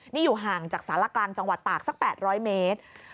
นี่อยู่ห่างจากสารกลางจังหวัดตากสัก๘๐๐เมตร